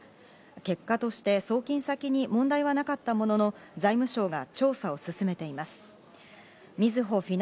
結果として送金先に問題はなかったものの、財務省が調査を進めています。